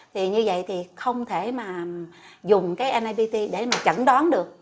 thì như vậy thì không thể mà dùng cái nipt để mà chẩn đoán được